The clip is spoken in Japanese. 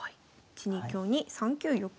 １二香に３九玉。